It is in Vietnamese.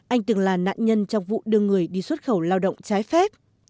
anh từng là nạn nhân trong vụ đưa người đi xuất khẩu lao động trái phép